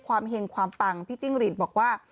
เห็งความปังพี่จิ้งหรีดบอกว่า